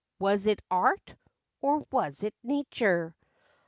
Was it art, or was it nature?